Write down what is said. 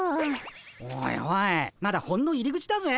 おいおいまだほんの入り口だぜ。